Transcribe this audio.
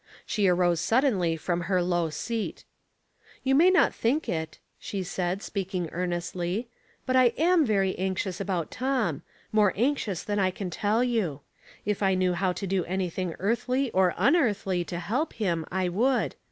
She arose suddenly from her low seat. 318 Household Puzzles, "You may not think it," she said, speaking earnestly, " but I am Yevj anxious about Tom — more anxious than I can tell you. If I knew how to do anything earthly or unearthly to help him, I would.